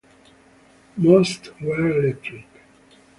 Most were electric.